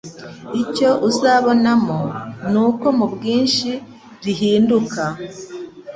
icyo uzabonamo ni uko mu bwinshi rihinduka